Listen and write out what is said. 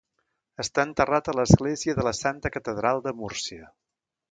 Està enterrat a l'Església de la Santa Catedral de Múrcia.